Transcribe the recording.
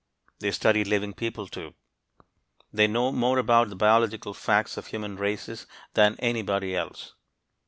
They study living people, too; they know more about the biological facts of human "races" than anybody else.